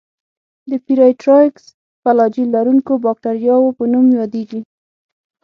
د پېرایټرایکس فلاجیل لرونکو باکتریاوو په نوم یادیږي.